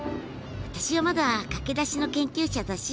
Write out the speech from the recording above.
私はまだ駆け出しの研究者だし。